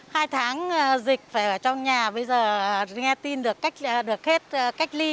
hai tháng dịch phải ở trong nhà bây giờ nghe tin được hết cách ly